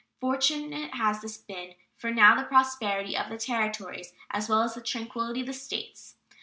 Fortunate has this been for the prosperity of the Territories, as well as the tranquillity of the States.